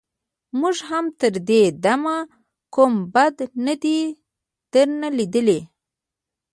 موږ هم تر دې دمه کوم بد نه دي درنه ليدلي.